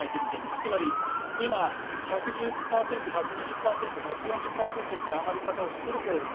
つまり今、１１０％１２０％、１４０％という上がり方をしているけども。